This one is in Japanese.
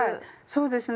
そうですね